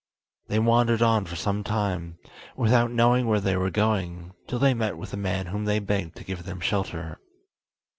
They wandered on for some time, without knowing where they were going, till they met with a man whom they begged to give them shelter.